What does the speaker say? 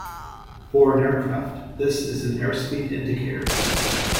For an aircraft, this is an airspeed indicator.